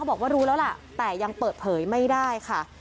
บอกว่ารู้แล้วล่ะแต่ยังเปิดเผยไม่ได้ค่ะ